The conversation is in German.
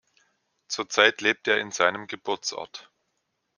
Zurzeit lebt er in seinem Geburtsort.